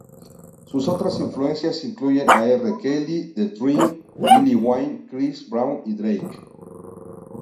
Sus otras influencias incluyen a R. Kelly, The-Dream, Lil Wayne, Chris Brown y Drake.